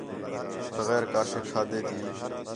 بغیر کا شے کھادے تی